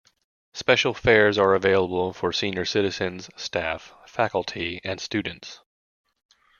Special fares are available for senior citizens, staff, faculty and students.